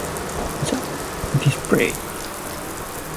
The Collier Collection later became part of the Revs Institute display.